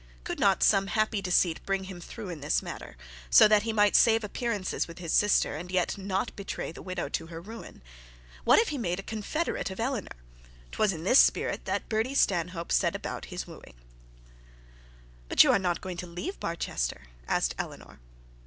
Could not some happy deceit bring him through in this matter, so that he might save appearances with his sister, and yet not betray the widow to her ruin? What if he made a confidence of Eleanor? 'Twas in this spirit that Bertie Stanhope set about his wooing. 'But you are not going to leave Barchester?' asked Eleanor.